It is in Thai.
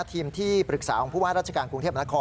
ทีมที่ปรึกษาของผู้ว่าราชการกรุงเทพมนาคม